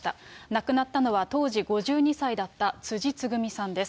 亡くなったのは当時５２歳だった辻つぐみさんです。